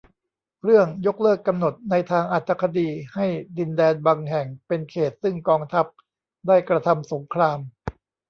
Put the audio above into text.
เรื่อง ยกเลิกกำหนดในทางอรรถคดีให้ดินแดนบางแห่งเป็นเขตต์ซึ่งกองทัพได้กระทำสงคราม